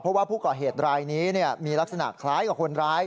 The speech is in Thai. เพราะว่าผู้ก่อเหตุรายนี้มีลักษณะคล้ายกับคนร้าย